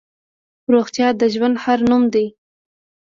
روغتیا د ژوند هر نوم دی.